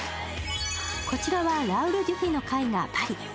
こちらはラウル・デュフィの絵画「パリ」。